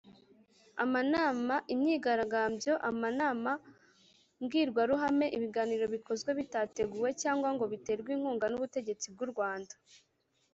amanama, imyigaragambyo, amanama mbwirwaruhame, ibiganiro bikozwe bidateguwe cyangwa ngo biterwe inkunga n'ubutegetsi bw'u rwanda